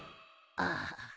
ああ。